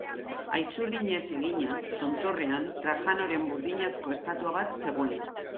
Haitzurdinez egina, tontorrean, Trajanoren burdinazko estatua bat zegoen.